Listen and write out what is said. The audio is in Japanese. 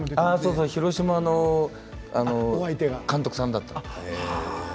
広島の監督さんだったんです。